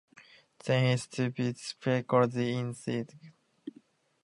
Then he studied philosophy in Szeged.